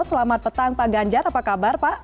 selamat petang pak ganjar apa kabar pak